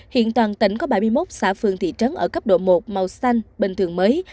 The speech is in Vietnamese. hiện toàn tỉnh có bảy mươi một xã phường thị trấn ở cấp độ một màu xanh bình thường mới